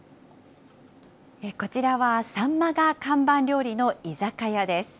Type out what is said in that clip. こちらはサンマが看板料理の居酒屋です。